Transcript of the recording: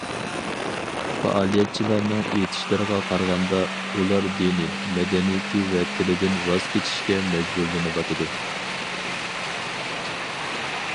پائالىيەتچىلەرنىڭ ئېيتىشلىرىغا قارىغاندا، ئۇلار دىنى، مەدەنىيىتى ۋە تىلىدىن ۋاز كېچىشكە مەجبۇرلىنىۋاتىدۇ .